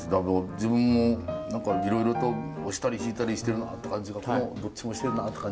自分何かいろいろと押したり引いたりしてるなって感じがどっちもしてるなって感じが。